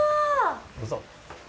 どうぞ。